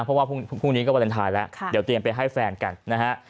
เพราะว่าพรุ่งนี้ก็วาเลนไทยแล้วเดี๋ยวเตรียมไปให้แฟนกันนะฮะ